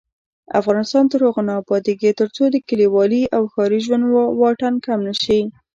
افغانستان تر هغو نه ابادیږي، ترڅو د کلیوالي او ښاري ژوند واټن کم نشي.